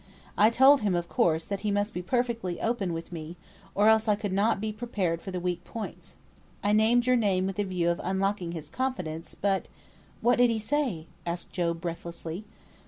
I told him, of course, that he must be perfectly open with me, or else I could not be prepared for the weak points. I named your name with the view of unlocking his confidence, but " "What did he say?" asked Job, breathlessly.